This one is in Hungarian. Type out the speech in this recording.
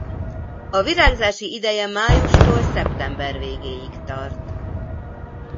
A virágzási ideje májustól szeptember végéig tart.